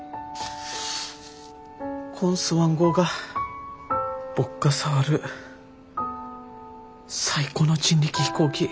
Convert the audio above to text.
こんスワン号が僕が触る最後の人力飛行機。